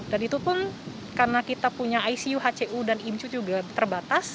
dan itu pun karena kita punya icu hcu dan imcu juga terbatas